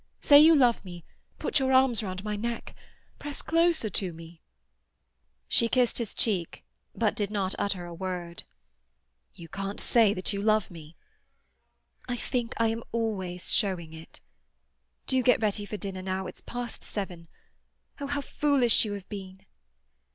Say you love me! Put your arms round my neck—press closer to me—" She kissed his cheek, but did not utter a word. "You can't say that you love me?" "I think I am always showing it. Do get ready for dinner now; it's past seven. Oh, how foolish you have been!"